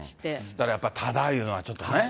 だからやっぱ、ただいうのは、ちょっとね。